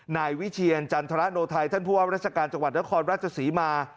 นายวิเชียรจันทรโนไทยท่านผู้ว่าราชการจังหวัดนครราชศรีมา